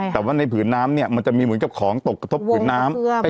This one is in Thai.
แต่ว่าในผืนน้ำเนี่ยมันจะมีเหมือนกับของตกกระทบผืนน้ำ